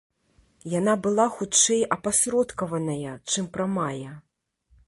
Яна была, хутчэй, апасродкаваная, чым прамая.